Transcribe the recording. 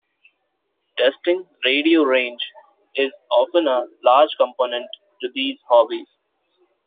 Testing radio range is often a large component to these hobbies.